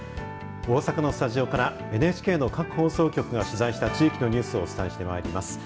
大阪のスタジオからＮＨＫの各放送局が取材した地域のニュースをお伝えしてまいります。